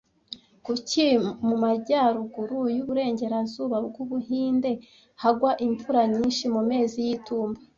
Kuki mu majyaruguru y'uburengerazuba bw'Ubuhinde hagwa imvura nyinshi mu mezi y'itumba